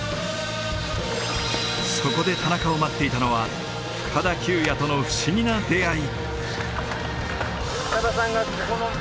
そこで田中を待っていたのは深田久弥との不思議な出会い。